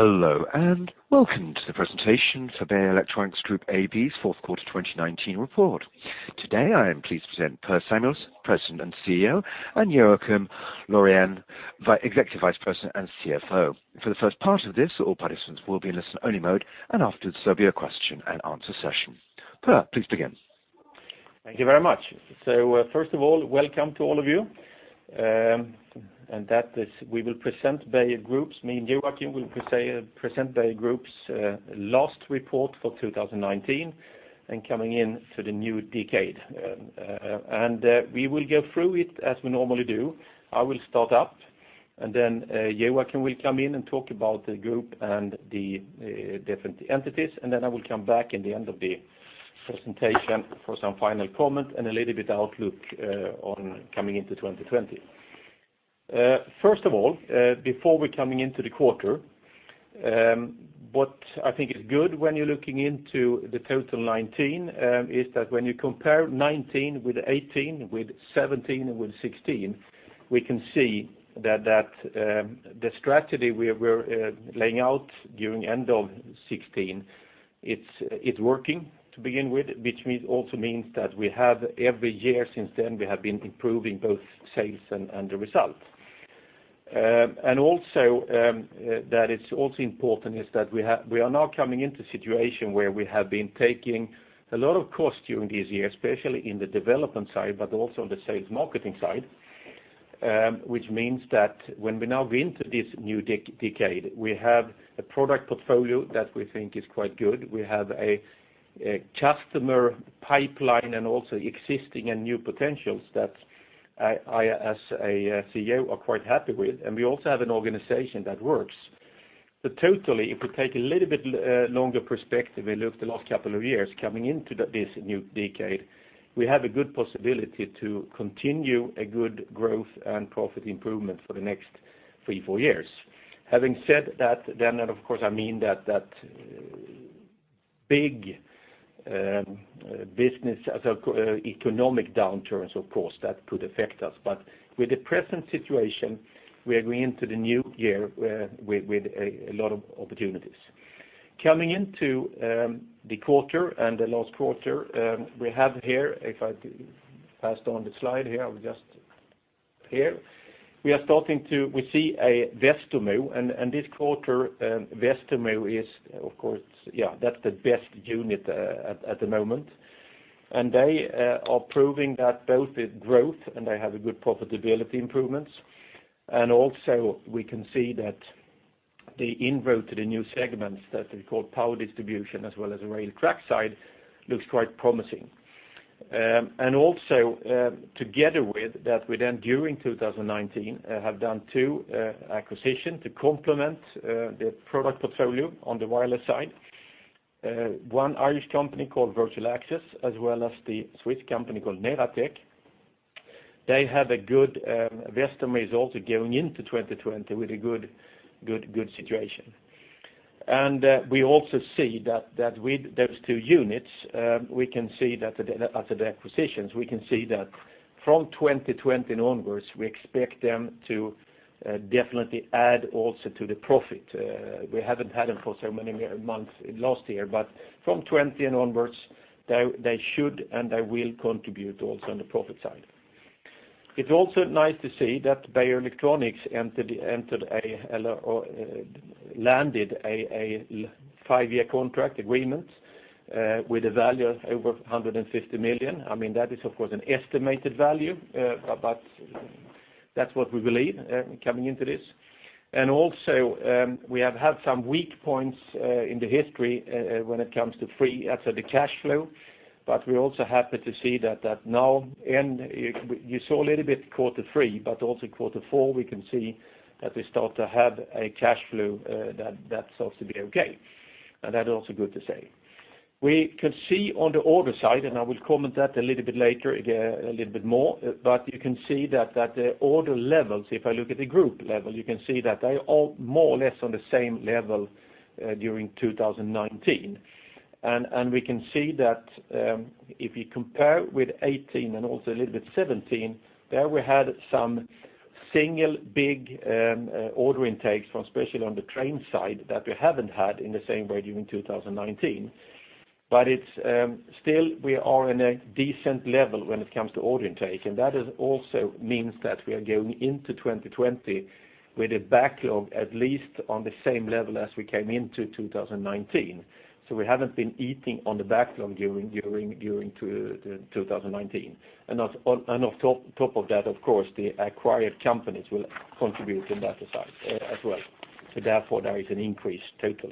Hello, and welcome to the presentation for Beijer Electronics Group AB's fourth quarter 2019 report. Today, I am pleased to present Per Samuelsson, President and CEO, and Joakim Laurén, Executive Vice President and CFO. For the first part of this, all participants will be in listen-only mode, and after, there will be a question and answer session. Per, please begin. Thank you very much. First of all, welcome to all of you. Me and Joakim will present Beijer Group's last report for 2019 and coming into the new decade. We will go through it as we normally do. I will start up, Joakim will come in and talk about the group and the different entities, I will come back at the end of the presentation for some final comments and a little bit outlook on coming into 2020. First of all, before we come into the quarter, what I think is good when you're looking into the total 2019 is that when you compare 2019 with 2018, with 2017, and with 2016, we can see that the strategy we were laying out during end of 2016, it's working to begin with, which also means that we have every year since then, we have been improving both sales and the results. That is also important is that we are now coming into a situation where we have been taking a lot of cost during this year, especially in the development side, but also on the sales marketing side, which means that when we now go into this new decade, we have a product portfolio that we think is quite good. We have a customer pipeline and also existing and new potentials that I, as a CEO, are quite happy with, and we also have an organization that works. Totally, if we take a little bit longer perspective and look at the last couple of years, coming into this new decade, we have a good possibility to continue a good growth and profit improvement for the next three, four years. Having said that, then of course, I mean that big business economic downturns, of course, that could affect us. With the present situation, we are going into the new year with a lot of opportunities. Coming into the quarter and the last quarter, we have here, if I pass down the slide here, we see a Westermo, and this quarter, Westermo is, of course, that's the best unit at the moment. They are proving that both with growth and they have good profitability improvements. We can see that the inroad to the new segments that we call power distribution as well as rail trackside looks quite promising. Together with that, we then during 2019 have done two acquisition to complement the product portfolio on the wireless side. One Irish company called Virtual Access, as well as the Swiss company called Neratec. They have a good based in the results also going into 2020 with a good situation. We also see that with those two units, after the acquisitions, we can see that from 2020 onwards, we expect them to definitely add also to the profit. We haven't had them for so many months last year, but from 2020 and onwards, they should and they will contribute also on the profit side. It's also nice to see that Beijer Electronics landed a five-year contract agreement with a value over 150 million. That is, of course, an estimated value, but that's what we believe coming into this. Also, we have had some weak points in the history when it comes to the cash flow, but we're also happy to see that now, you saw a little bit quarter three, but also quarter four, we can see that we start to have a cash flow that starts to be okay. That is also good to see. We can see on the order side, and I will comment that a little bit later, a little bit more, but you can see that the order levels, if I look at the group level, you can see that they are all more or less on the same level during 2019. We can see that if you compare with 2018 and also a little bit 2017, there we had some single big order intakes from especially on the train side that we haven't had in the same way during 2019. Still, we are in a decent level when it comes to order intake, and that also means that we are going into 2020 with a backlog at least on the same level as we came into 2019. We haven't been eating on the backlog during 2019. On top of that, of course, the acquired companies will contribute on that side as well. Therefore, there is an increase total.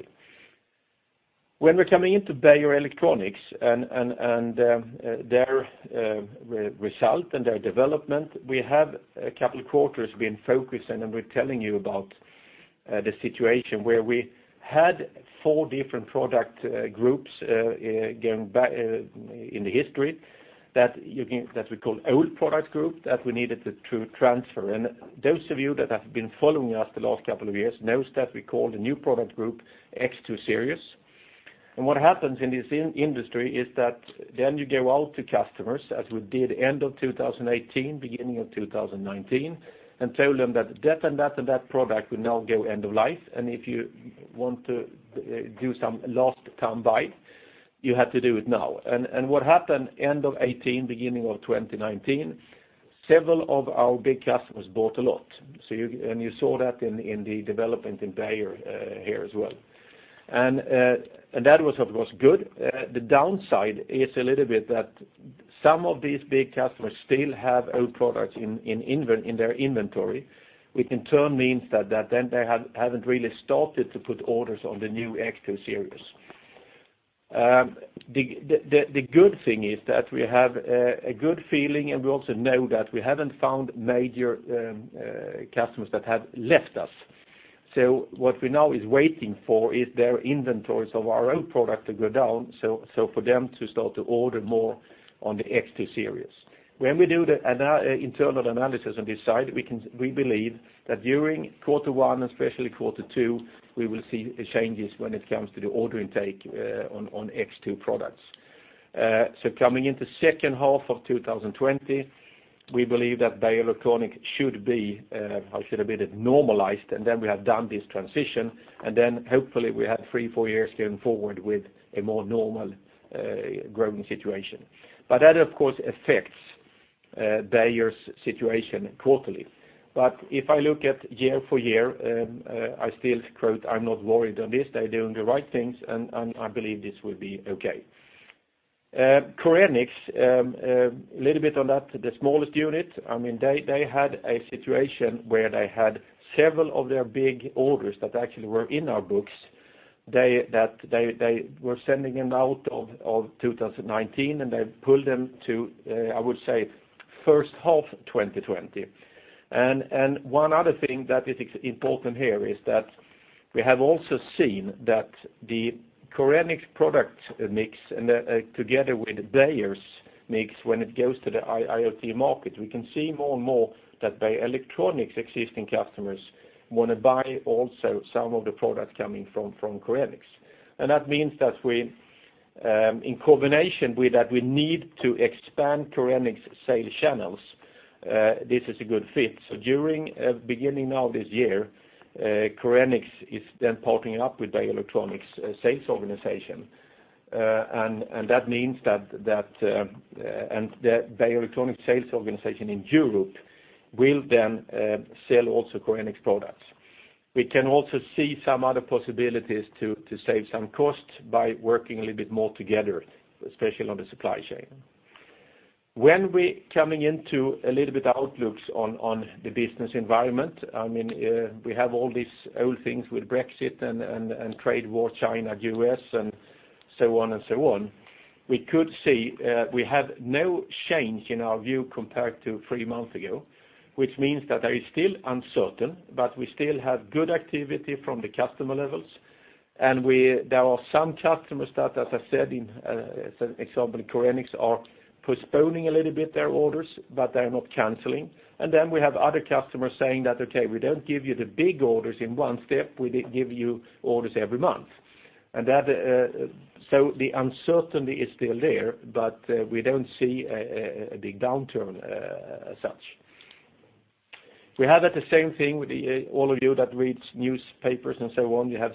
When we're coming into Beijer Electronics and their result and their development, we have a couple of quarters been focusing, and we're telling you about the situation where we had four different product groups in the history that we call old product group that we needed to transfer. Those of you that have been following us the last couple of years knows that we call the new product group X2 Series. What happens in this industry is that then you go out to customers, as we did end of 2018, beginning of 2019, and tell them that that product will now go end-of-life. If you want to do some last-time buy, you have to do it now. What happened end of 2018, beginning of 2019, several of our big customers bought a lot. You saw that in the development in Beijer here as well. That was, of course, good. The downside is a little bit that some of these big customers still have old products in their inventory, which in turn means that then they haven't really started to put orders on the new X2 series. The good thing is that we have a good feeling, and we also know that we haven't found major customers that have left us. What we now are waiting for is their inventories of our old product to go down, so for them to start to order more on the X2 series. When we do the internal analysis on this side, we believe that during Q1 and especially Q2, we will see changes when it comes to the order intake on X2 products. Coming into the second half of 2020, we believe that Beijer Electronics should be a bit normalized, and then we have done this transition, and then hopefully we have three, four years going forward with a more normal growing situation. That, of course, affects Beijer's situation quarterly. If I look at year-for-year, I still quote, I'm not worried on this. They're doing the right things, and I believe this will be okay. Korenix, a little bit on that, the smallest unit, they had a situation where they had several of their big orders that actually were in our books, that they were sending them out of 2019, and they pulled them to, I would say, first half of 2020. One other thing that is important here is that we have also seen that the Korenix product mix together with Beijer's mix, when it goes to the IIoT market, we can see more and more that Beijer Electronics' existing customers want to buy also some of the products coming from Korenix. That means that in combination with that, we need to expand Korenix sales channels. This is a good fit. Beginning now this year, Korenix is then partnering up with Beijer Electronics' sales organization. That means that Beijer Electronics' sales organization in Europe will then sell also Korenix products. We can also see some other possibilities to save some costs by working a little bit more together, especially on the supply chain. When we're coming into a little bit outlooks on the business environment, we have all these old things with Brexit and trade war, China, U.S., and so on. We have no change in our view compared to three months ago, which means that there is still uncertain, but we still have good activity from the customer levels. There are some customers that, as I said, in example, Korenix are postponing a little bit their orders, but they're not canceling. Then we have other customers saying that, "Okay, we don't give you the big orders in one step. We give you orders every month." The uncertainty is still there, but we don't see a big downturn as such. We have the same thing with all of you that read newspapers and so on. You have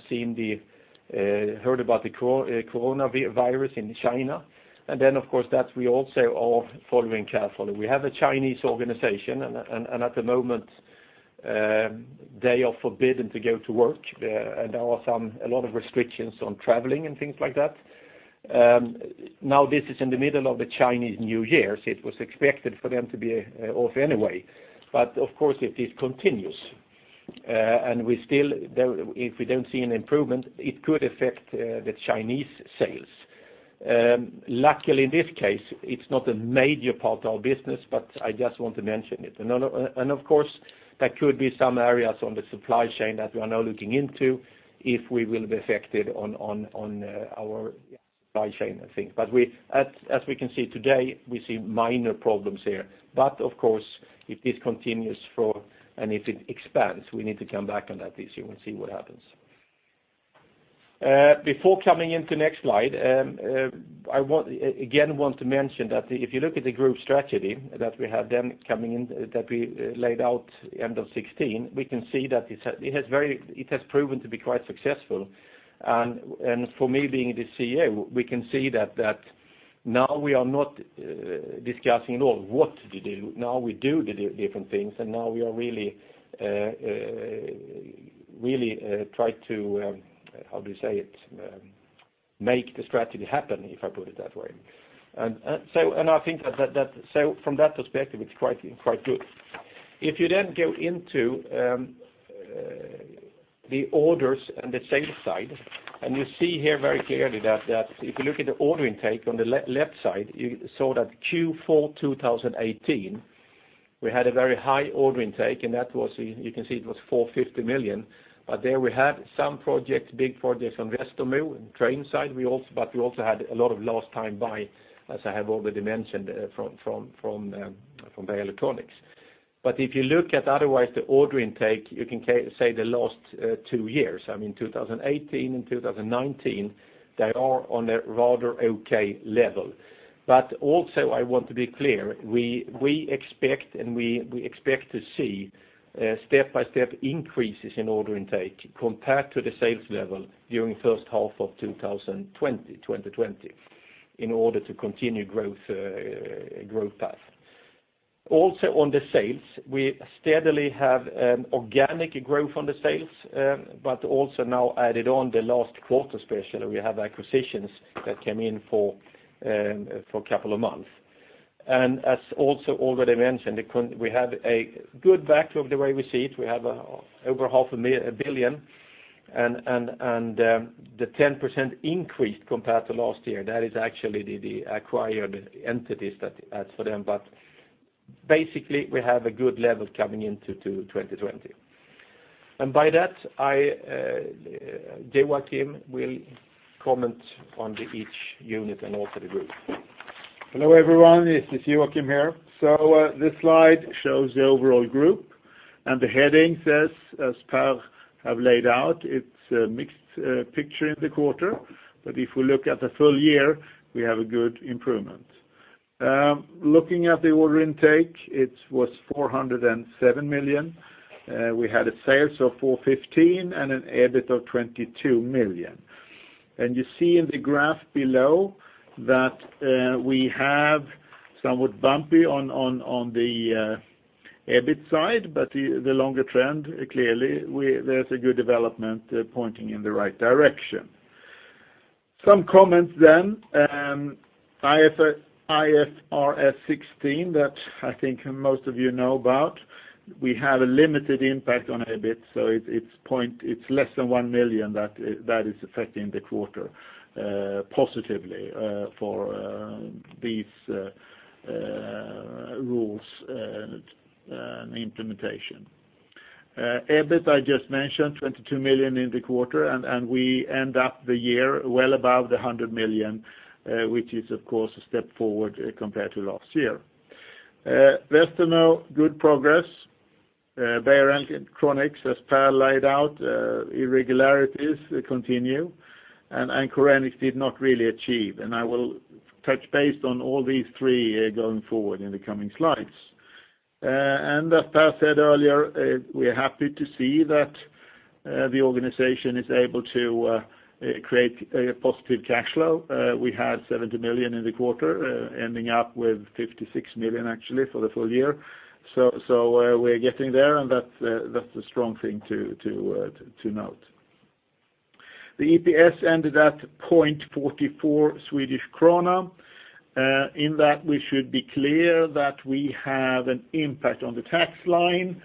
heard about the coronavirus in China. Of course, that we also are following carefully. We have a Chinese organization, and at the moment, they are forbidden to go to work. There are a lot of restrictions on traveling and things like that. Now, this is in the middle of the Chinese New Year, so it was expected for them to be off anyway. Of course, if this continues, and if we don't see an improvement, it could affect the Chinese sales. Luckily, in this case, it's not a major part of our business, but I just want to mention it. Of course, there could be some areas on the supply chain that we are now looking into if we will be affected on our supply chain, I think. As we can see today, we see minor problems here. Of course, if this continues, and if it expands, we need to come back on that issue and see what happens. Before coming into next slide, I again want to mention that if you look at the group strategy that we laid out end of 2016, we can see that it has proven to be quite successful. For me, being the CEO, we can see that now we are not discussing at all what to do. Now we do the different things, and now we are really trying to, how do you say it, make the strategy happen, if I put it that way. I think from that perspective, it's quite good. If you go into the orders and the sales side, you see here very clearly that if you look at the order intake on the left side, you saw that Q4 2018, we had a very high order intake, and you can see it was 450 million. There we had some projects, big projects on Westermo and train side. We also had a lot of last-time buy, as I have already mentioned, from Beijer Electronics. If you look at otherwise the order intake, you can say the last two years, 2018 and 2019, they are on a rather okay level. Also, I want to be clear, we expect to see step-by-step increases in order intake compared to the sales level during first half of 2020, in order to continue growth path. On the sales, we steadily have an organic growth on the sales, also now added on the last quarter especially, we have acquisitions that came in for a couple of months. As also already mentioned, we have a good backlog the way we see it. We have over SEK half a billion, The 10% increase compared to last year, that is actually the acquired entities that adds for them, Basically, we have a good level coming into 2020. By that, Joakim will comment on the each unit and also the group. Hello, everyone. This is Joakim here. This slide shows the overall group, and the heading says, as Per have laid out, it's a mixed picture in the quarter. If we look at the full year, we have a good improvement. Looking at the order intake, it was 407 million. We had a sales of 415 and an EBIT of 22 million. You see in the graph below that we have somewhat bumpy on the EBIT side, but the longer trend, clearly, there's a good development pointing in the right direction. Some comments then. IFRS 16, that I think most of you know about. We have a limited impact on EBIT, so it's less than 1 million that is affecting the quarter positively for these rules implementation. EBIT, I just mentioned, 22 million in the quarter. We end up the year well above 100 million, which is, of course, a step forward compared to last year. Westermo, good progress. Beijer Electronics, as Per laid out, irregularities continue. Korenix did not really achieve, and I will touch base on all these three going forward in the coming slides. As Per said earlier, we are happy to see that the organization is able to create a positive cash flow. We had 70 million in the quarter, ending up with 56 million actually for the full year. We are getting there, and that's a strong thing to note. The EPS ended at 0.44 Swedish krona. In that, we should be clear that we have an impact on the tax line.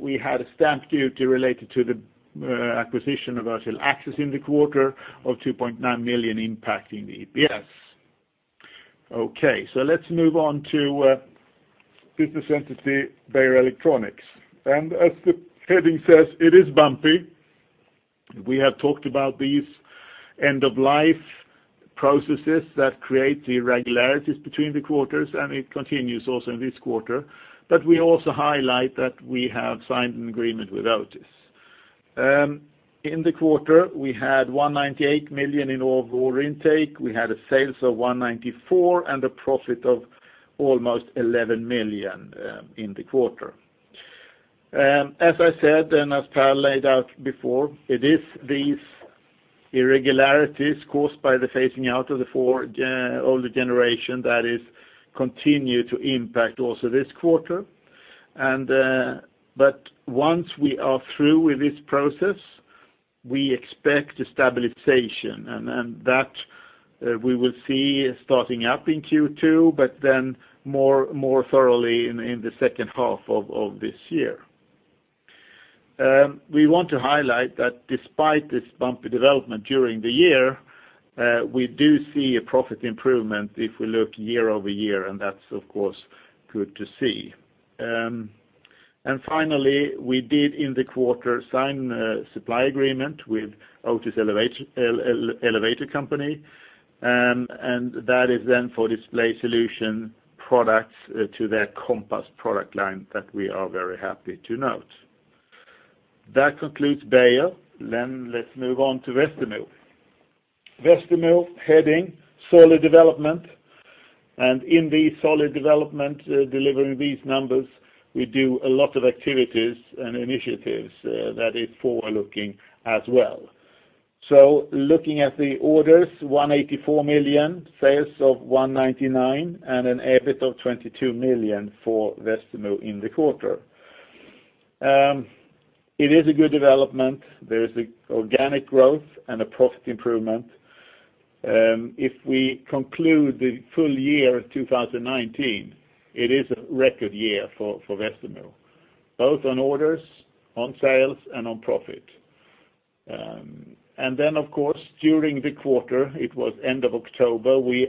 We had a stamp duty related to the acquisition of Virtual Access in the quarter of 2.9 million impacting the EPS. Okay, let's move on to business entity Beijer Electronics. As the heading says, it is bumpy. We have talked about these end-of-life processes that create the irregularities between the quarters, it continues also in this quarter. We also highlight that we have signed an agreement with Otis. In the quarter, we had 198 million in overall intake. We had a sales of 194 million and a profit of almost 11 million in the quarter. As I said, as Per laid out before, it is these irregularities caused by the phasing out of the four older generation that is continue to impact also this quarter. Once we are through with this process, we expect stabilization, and that we will see starting up in Q2, but then more thoroughly in the second half of this year. We want to highlight that despite this bumpy development during the year, we do see a profit improvement if we look year-over-year. That's of course good to see. Finally, we did in the quarter sign a supply agreement with Otis Elevator Company, and that is then for display solution products to their Compass product line that we are very happy to note. That concludes Beijer. Let's move on to Westermo. Westermo heading, solid development. In the solid development delivering these numbers, we do a lot of activities and initiatives that is forward-looking as well. Looking at the orders, 184 million, sales of 199 million, and an EBIT of 22 million for Westermo in the quarter. It is a good development. There is organic growth and a profit improvement. If we conclude the Full Year 2019, it is a record year for Westermo, both on orders, on sales, and on profit. Of course, during the quarter, it was end of October, we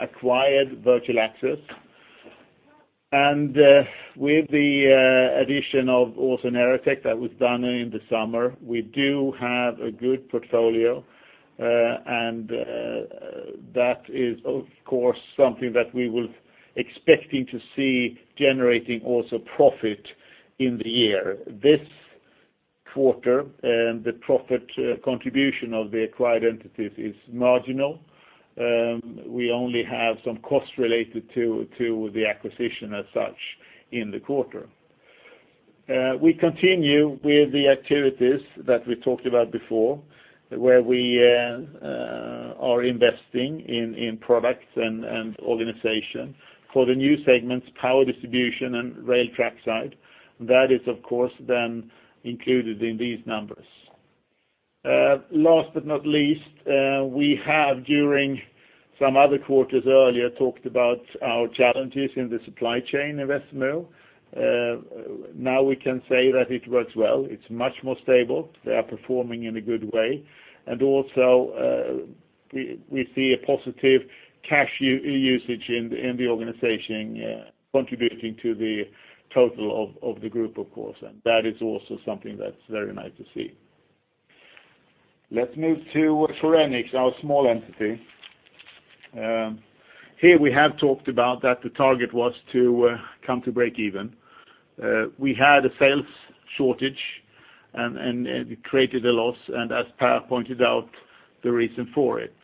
acquired Virtual Access, with the addition of also Neratec that was done in the summer. We do have a good portfolio, and that is, of course, something that we will expecting to see generating also profit in the year. This quarter, the profit contribution of the acquired entities is marginal. We only have some costs related to the acquisition as such in the quarter. We continue with the activities that we talked about before, where we are investing in products and organization for the new segments, power distribution and rail trackside. That is, of course, then included in these numbers. Last but not least, we have, during some other quarters earlier, talked about our challenges in the supply chain of Westermo. Now we can say that it works well. It is much more stable. They are performing in a good way. Also, we see a positive cash usage in the organization contributing to the total of the group, of course, and that is also something that is very nice to see. Let's move to Korenix, our small entity. Here we have talked about that the target was to come to break even. We had a sales shortage, and it created a loss, and as Per pointed out, the reason for it.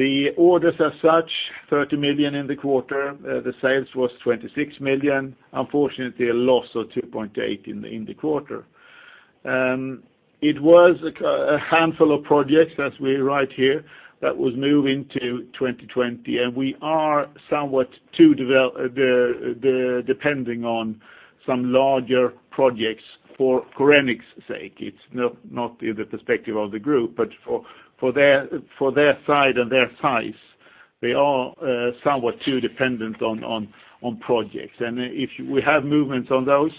The orders as such, 30 million in the quarter. The sales was 26 million. Unfortunately, a loss of 2.8 million in the quarter. It was a handful of projects, as we write here, that was moving to 2020. We are somewhat too depending on some larger projects for Korenix's sake. It is not in the perspective of the group, but for their side and their size, they are somewhat too dependent on projects. If we have movements on those,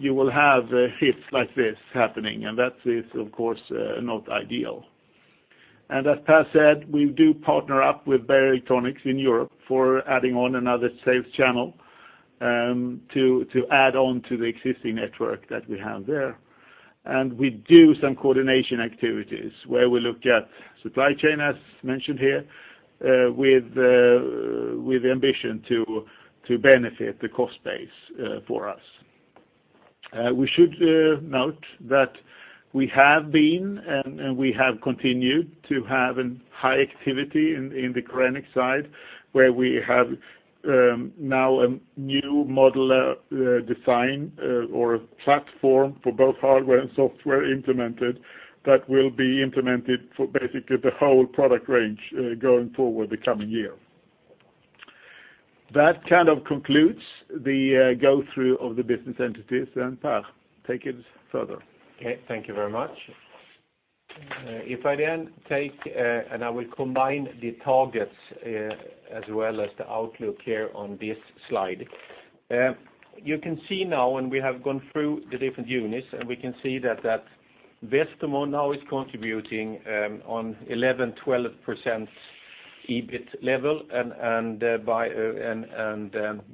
you will have hits like this happening, and that is, of course, not ideal. As Per said, we do partner up with Beijer Electronics in Europe for adding on another sales channel to add on to the existing network that we have there. We do some coordination activities where we look at supply chain, as mentioned here, with ambition to benefit the cost base for us. We should note that we have been, and we have continued to have a high activity in the Korenix side, where we have now a new model design or a platform for both hardware and software implemented that will be implemented for basically the whole product range going forward the coming year. That kind of concludes the go-through of the business entities, and Per, take it further. Okay, thank you very much. I will combine the targets as well as the outlook here on this slide. You can see now, and we have gone through the different units, and we can see that Westermo now is contributing on 11%, 12% EBIT level, and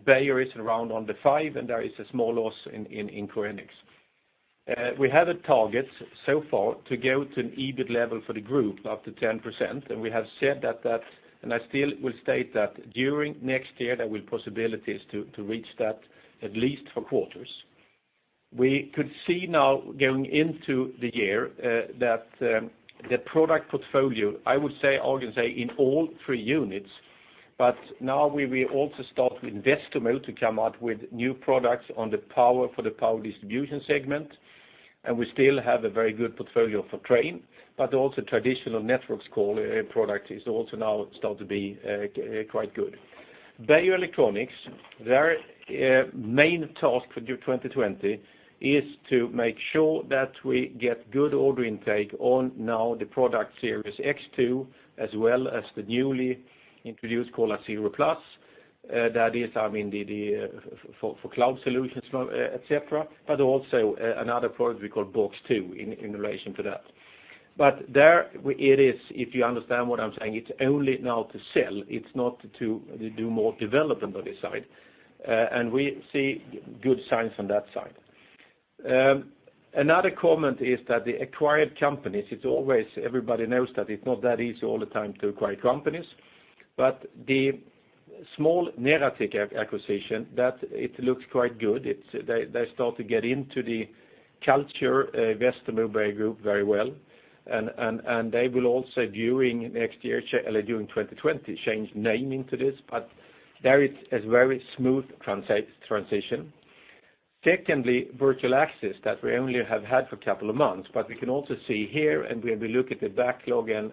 Beijer is around 5%, and there is a small loss in Korenix. We have a target so far to go to an EBIT level for the group of up to 10%, and we have said that, and I still will state that during next year, there will possibilities to reach that at least for quarters. We could see now going into the year that the product portfolio, I would say, in all three units. We will also start with Westermo to come out with new products on the power for the power distribution segment, and we still have a very good portfolio for train, but also traditional networks core product is also now starting to be quite good. Beijer Electronics, their main task for 2020 is to make sure that we get good order intake on now the product series X2, as well as the newly introduced caller Zero Plus. That is for cloud solutions, et cetera. Also another product we call BoX2 in relation to that. There it is, if you understand what I'm saying, it's only now to sell. It's not to do more development on this side. We see good signs on that side. Another comment is that the acquired companies, it's always everybody knows that it's not that easy all the time to acquire companies, but the small Neratec acquisition, that it looks quite good. They start to get into the culture Westermo Beijer Group very well. They will also during next year, during 2020, change naming to this. There it's a very smooth transition. Secondly, Virtual Access that we only have had for a couple of months. We can also see here, when we look at the backlog and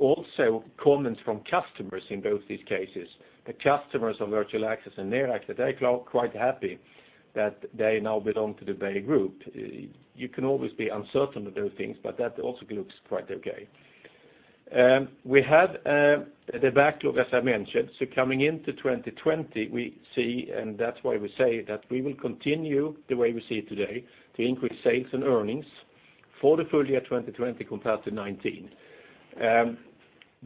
also comments from customers in both these cases, the customers of Virtual Access and Neratec, they are quite happy that they now belong to the Beijer Group. You can always be uncertain of those things. That also looks quite okay. We have the backlog, as I mentioned. Coming into 2020, we see, and that's why we say that we will continue the way we see it today to increase sales and earnings for the Full Year 2020 compared to 2019.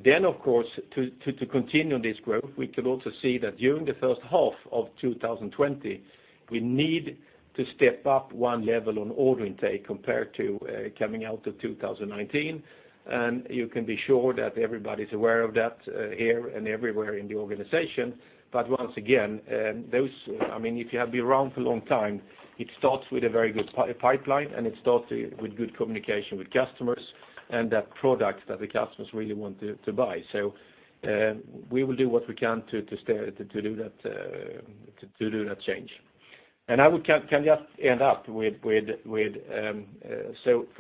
Of course, to continue this growth, we could also see that during the first half of 2020, we need to step up one level on order intake compared to coming out of 2019, and you can be sure that everybody's aware of that here and everywhere in the organization. Once again, if you have been around for a long time, it starts with a very good pipeline, and it starts with good communication with customers and that product that the customers really want to buy. We will do what we can to do that change. I can just end up with, for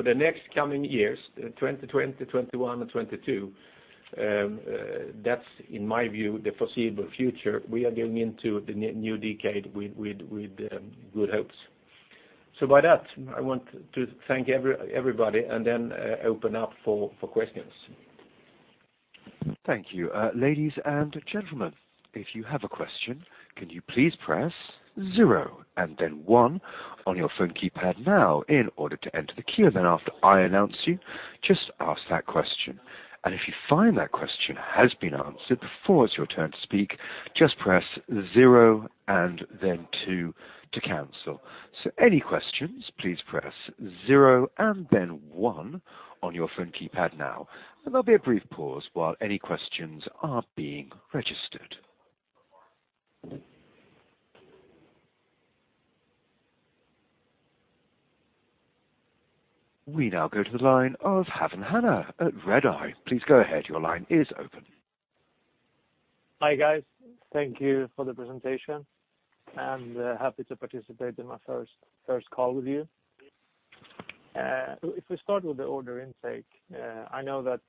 the next coming years, 2020, 2021, and 2022, that's, in my view, the foreseeable future. We are going into the new decade with good hopes. With that, I want to thank everybody and open up for questions. Thank you. Ladies and gentlemen, if you have a question, can you please press zero and then one on your phone keypad now in order to enter the queue. After I announce you, just ask that question. If you find that question has been answered before it's your turn to speak, just press zero and then two to cancel. Any questions, please press zero and then one on your phone keypad now. There will be a brief pause while any questions are being registered. We now go to the line of Havan Hanna at Redeye. Please go ahead. Your line is open. Hi, guys. Thank you for the presentation. Happy to participate in my first call with you. If we start with the order intake, I know that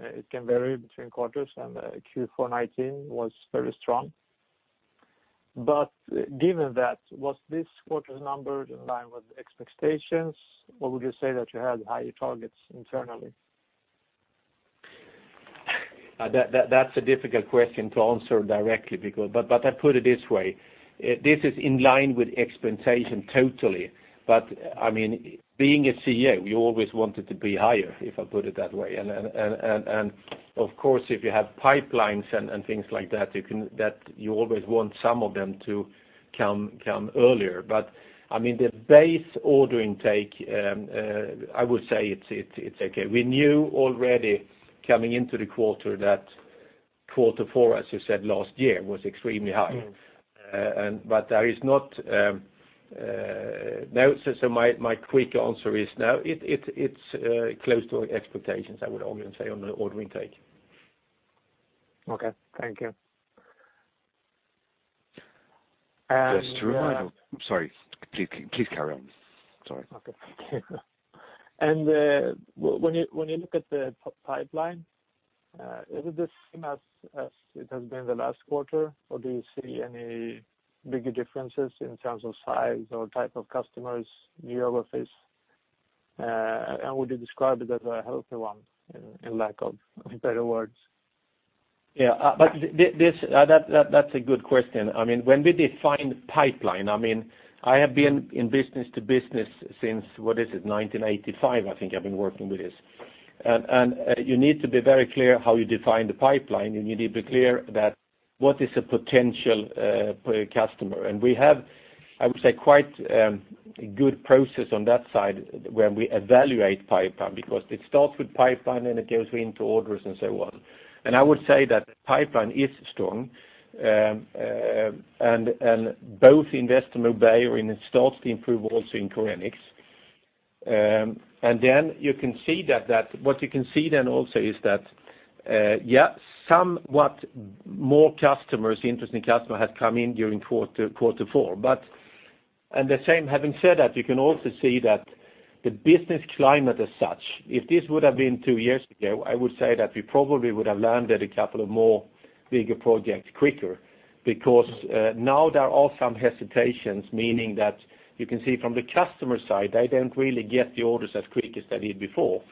it can vary between quarters and Q4 2019 was very strong. Given that, was this quarter's numbers in line with the expectations, or would you say that you had higher targets internally? That's a difficult question to answer directly, but I put it this way, this is in line with expectation totally. Being a CEO, you always want it to be higher, if I put it that way. Of course, if you have pipelines and things like that, you always want some of them to come earlier. The base order intake, I would say it's okay. We knew already coming into the quarter that quarter four, as you said, last year, was extremely high. There is not. My quick answer is no. It's close to expectations, I would argue and say on the order intake. Okay. Thank you. Sorry. Please carry on. Sorry. Okay. When you look at the pipeline, is it the same as it has been the last quarter, or do you see any bigger differences in terms of size or type of customers, geographies? Would you describe it as a healthy one, in lack of better words? Yeah. That's a good question. When we define pipeline, I have been in business to business since, what is it, 1985, I think I've been working with this. You need to be very clear how you define the pipeline, and you need to be clear that what is a potential customer. We have, I would say, quite a good process on that side where we evaluate pipeline, because it starts with pipeline, and it goes into orders and so on. I would say that pipeline is strong, and both in Westermo and Beijer, and it starts to improve also in Korenix. What you can see then also is that, somewhat more interesting customer has come in during quarter four. Having said that, you can also see that the business climate as such, if this would have been two years ago, I would say that we probably would have landed a couple of more bigger projects quicker, because now there are some hesitations, meaning that you can see from the customer side, they don't really get the orders as quick as they did before.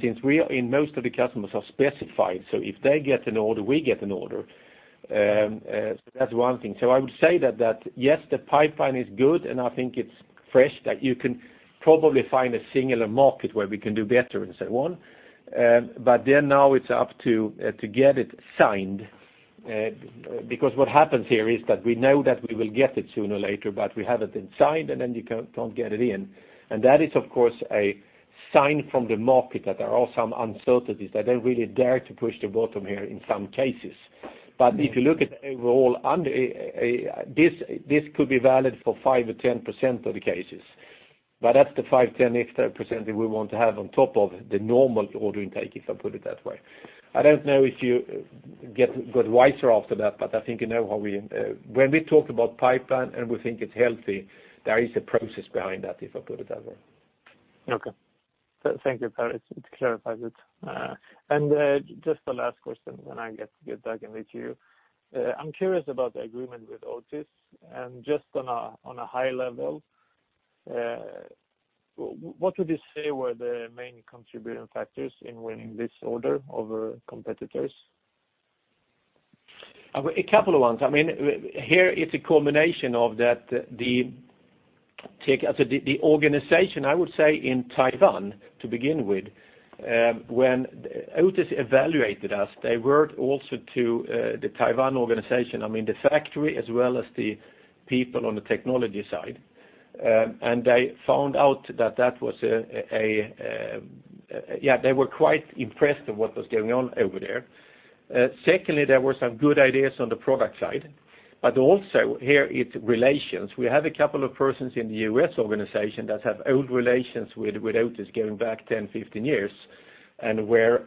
Since most of the customers are specified, so if they get an order, we get an order. That's one thing. I would say that yes, the pipeline is good, and I think it's fresh, that you can probably find a singular market where we can do better and so on. Now it's up to get it signed, because what happens here is that we know that we will get it sooner or later, but we haven't been signed, and then you can't get it in. That is, of course, a sign from the market that there are some uncertainties. They don't really dare to push the bottom here in some cases. If you look at overall, this could be valid for 5% or 10% of the cases, but that's the 5%, 10%, 15% that we want to have on top of the normal order intake, if I put it that way. I don't know if you got wiser after that, I think you know how we talk about pipeline and we think it's healthy, there is a process behind that, if I put it that way. Okay. Thank you, Per. It clarifies it. Just the last question, then I get back with you. I'm curious about the agreement with Otis, and just on a high level, what would you say were the main contributing factors in winning this order over competitors? A couple of ones. Here it's a combination of the organization, I would say, in Taiwan to begin with. When Otis evaluated us, they were also to the Taiwan organization, the factory as well as the people on the technology side. They found out that they were quite impressed with what was going on over there. Secondly, there were some good ideas on the product side. Also here it's relations. We have a couple of persons in the U.S. organization that have old relations with Otis going back 10, 15 years, and where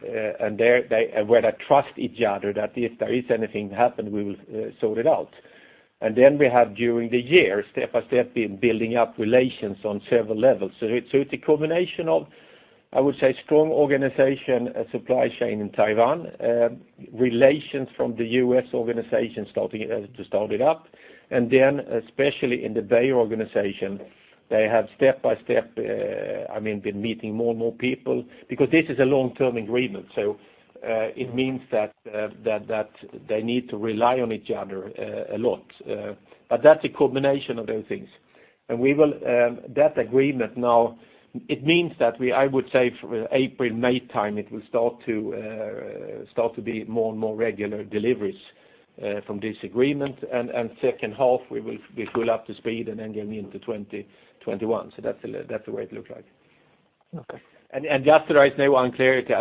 they trust each other that if there is anything happen, we will sort it out. We have during the year, step by step, been building up relations on several levels. It's a combination of, I would say, strong organization supply chain in Taiwan, relations from the U.S. organization to start it up, and then especially in the Beijer organization, they have step by step been meeting more and more people. Because this is a long-term agreement, so it means that they need to rely on each other a lot. That's a combination of those things. That agreement now, it means that, I would say April, May time, it will start to be more and more regular deliveries from this agreement. Second half, we will be full up to speed and then going into 2021. That's the way it look like. Okay. Just to raise now on clarity,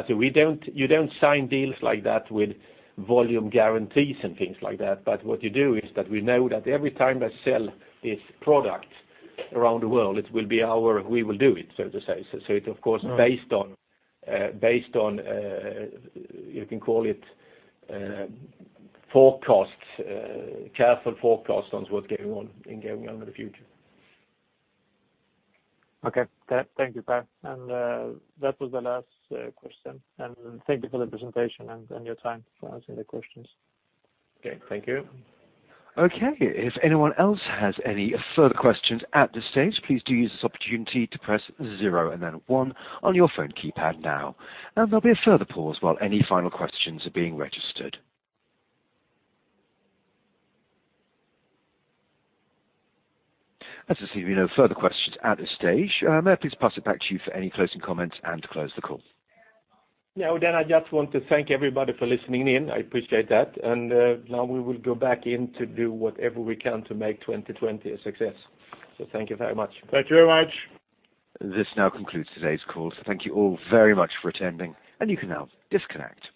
you don't sign deals like that with volume guarantees and things like that. What you do is that we know that every time they sell this product around the world, we will do it, so to say. It of course based on, you can call it forecasts, careful forecasts on what's going on in the future. Okay. Thank you, Per. That was the last question. Thank you for the presentation and your time for answering the questions. Okay. Thank you. Okay. If anyone else has any further questions at this stage, please do use this opportunity to press zero and then a one on your phone keypad now. There'll be a further pause while any final questions are being registered. I just see we've no further questions at this stage. May I please pass it back to you for any closing comments and to close the call? Yeah. I just want to thank everybody for listening in. I appreciate that. Now we will go back in to do whatever we can to make 2020 a success. Thank you very much. Thank you very much. This now concludes today's call. Thank you all very much for attending, and you can now disconnect.